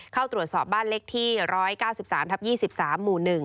เข้าตรวจสอบบ้านเล็กที่๑๙๓ทับ๒๓หมู่๑